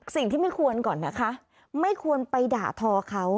สิ่งที่ไม่ควรก่อนนะคะไม่ควรไปด่าทอเขา